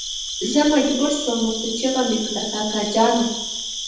زه مجبور شوم ورته چيغه مې کړه کاکا جانه.